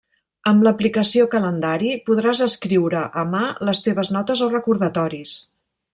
Amb l'aplicació calendari, podràs escriure a mà les teves notes o recordatoris.